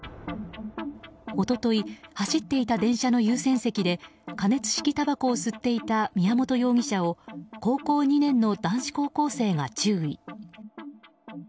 一昨日、走っていた電車の優先席で加熱式たばこを吸っていた宮本容疑者を高校２年の男子高校生が注意。